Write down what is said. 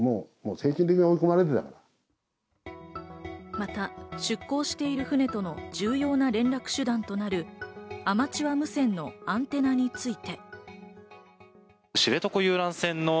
また出港している船との重要な連絡手段となるアマチュア無線のアンテナについて。